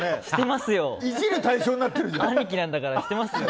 してますよ。